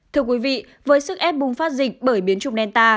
thưa quý vị với sức ép bùng phát dịch bởi biến trục đen